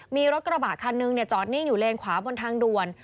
มีรถกระบะคันนึงจอดนิ่งอยู่เลนขวาบนทางด่วน